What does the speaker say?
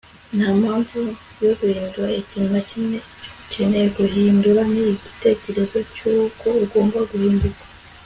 nta mpamvu yo guhindura ikintu na kimwe icyo ukeneye guhindura ni igitekerezo cy'uko ugomba guhinduka